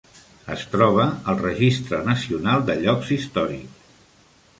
Es troba al Registre Nacional de Llocs Històrics.